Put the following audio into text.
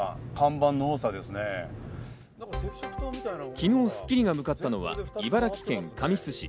昨日『スッキリ』が向かったのは茨城県神栖市。